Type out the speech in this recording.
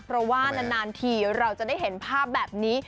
เพราะว่านานทีเราจะได้เห็นภาพแบบนี้